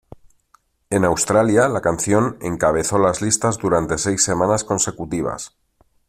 En Australia, la canción encabezó las listas durante seis semanas consecutivas.